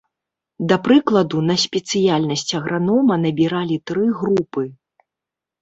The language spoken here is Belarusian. Да прыкладу, на спецыяльнасць агранома набіралі тры групы.